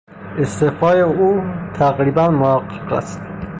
استعفای او تقریبا محقق است.